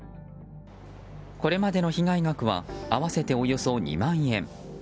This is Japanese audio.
これまでの被害額は合わせておよそ２万円。